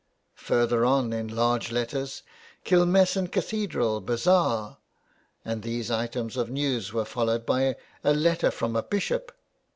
Further on in large letters, '' Killmessan Cathedral : Bazaar." And these items of news were followed by a letter from a Bishop.